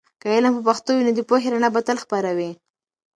که علم په پښتو وي، نو د پوهې رڼا به تل خپره وي.